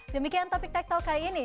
demikian topik tektel kali ini